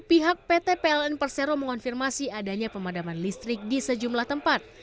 pihak pt pln persero mengonfirmasi adanya pemadaman listrik di sejumlah tempat